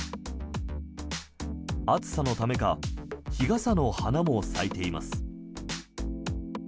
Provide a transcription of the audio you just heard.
暑さのためか日傘の花も咲いています。